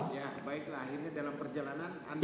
ya baiklah akhirnya dalam perjalanan anda